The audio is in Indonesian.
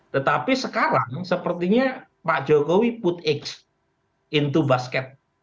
tetapi sekarang sepertinya pak jokowi put x into basket